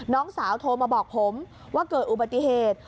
น้องสาวโทรมาบอกผมว่าเกิดอุบัติเหตุ